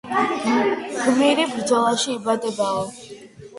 გმირი ბრძოლაში იბადებაო